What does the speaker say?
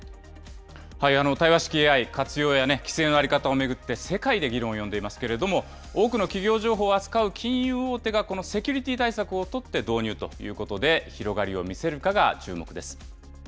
対話式ＡＩ、活用や規制の在り方を巡って、世界で議論を呼んでいますけれども、多くの企業情報を扱う金融大手がこのセキュリティー対策を取って導入ということで、広がりを見せるかが注目です。